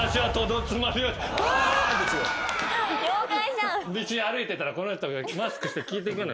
道歩いてたらこの人がマスクして聞いてくる。